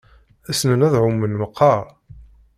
Ssnen ad ɛumen meqqar?